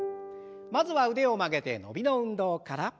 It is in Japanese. まずは腕を曲げて伸びの運動から。